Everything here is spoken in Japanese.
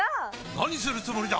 何するつもりだ！？